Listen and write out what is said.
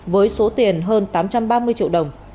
với số tiền hơn tám trăm ba mươi triệu đồng